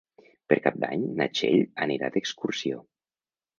Per Cap d'Any na Txell anirà d'excursió.